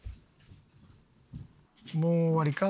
「もう終わりか？」